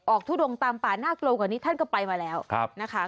ทุดงตามป่าน่ากลัวกว่านี้ท่านก็ไปมาแล้วนะคะ